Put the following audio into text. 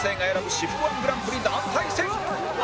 私服 −１ グランプリ団体戦！